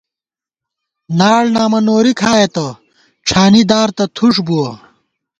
ناڑ نامہ نوری کھائېتہ ، ڄھانی دار تہ تھُݭ بُوَہ